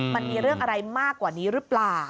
มันมีเรื่องอะไรมากกว่านี้หรือเปล่า